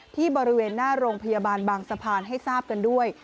ที่บริเวณหน้าโรงพยาบาลบางสะพานให้ทราบกันด้วย